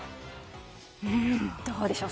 どうでしょう